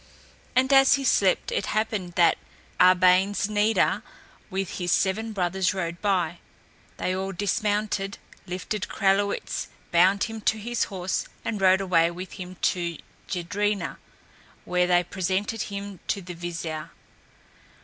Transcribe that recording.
And as he slept it happened that Arbanes Neda with his seven brothers rode by. They all dismounted, lifted Kralewitz, bound him to his horse, and rode away with him to Jedrena, where they presented him to the vizier.